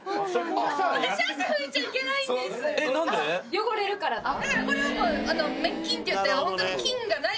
・汚れるからか・あぁ。